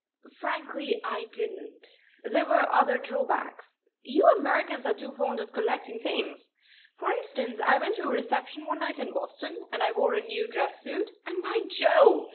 "Frankly, I didn't. There were other drawbacks. You Americans are too fond of collecting things. For instance, I went to a reception one night in Boston, and I wore a new dress suit, and, by Jove!